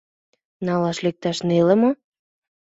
Налаш лекташ неле мо?